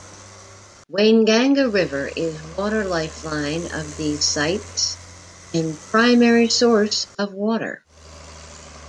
Wainganga River is water lifeline of these cites and primary source of Water.